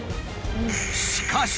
しかし。